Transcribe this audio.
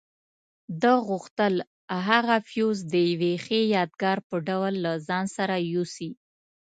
ده غوښتل هغه فیوز د یوې ښې یادګار په ډول له ځان سره یوسي.